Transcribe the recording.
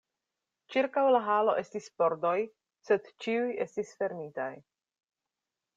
Ĉirkaŭ la halo estis pordoj; sed ĉiuj estis fermitaj.